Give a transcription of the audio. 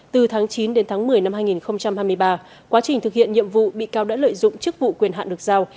từ tháng chín đến tháng một mươi năm hai nghìn hai mươi ba quá trình thực hiện nhiệm vụ bị cáo đã lợi dụng chức vụ quyền hạn được giao